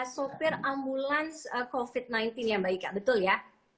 sopir ambulans covid sembilan belas ya mbak ika betul ya